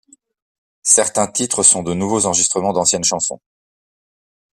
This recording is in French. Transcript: Certains titres sont de nouveaux enregistrements d'anciennes chansons.